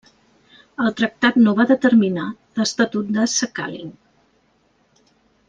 El tractat no va determinar l'estatut de Sakhalin.